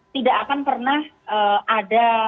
tidak akan pernah ada